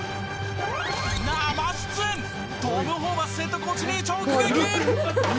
生出演、トム・ホーバスヘッドコーチに直撃！